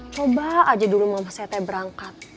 coba aja dulu mama sete berangkat